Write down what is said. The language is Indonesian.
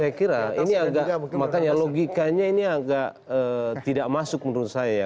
saya kira ini agak makanya logikanya ini agak tidak masuk menurut saya ya